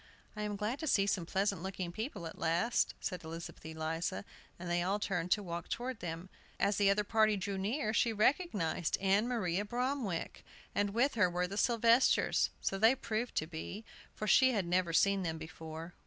"I am glad to see some pleasant looking people at last," said Elizabeth Eliza, and they all turned to walk toward them. As the other party drew near she recognized Ann Maria Bromwick! And with her were the Sylvesters, so they proved to be, for she had never seen them before.